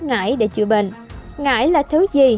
ngải để chữa bệnh ngải là thứ gì